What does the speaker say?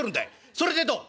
それでどう？」。